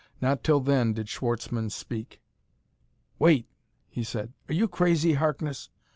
Not till then did Schwartzmann speak. "Wait," he said. "Are you crazy, Harkness?